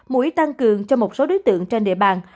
mũi tăng cường cho một số đối tượng trên địa bàn